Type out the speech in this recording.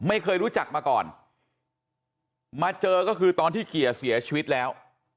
ไม่เคยรู้จักมาก่อนมาเจอก็คือตอนที่เกียร์เสียชีวิตแล้ว